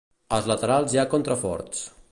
Als laterals hi ha contraforts.